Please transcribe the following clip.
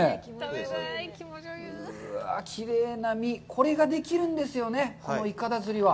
これができるんですよね、このいかだ釣りは。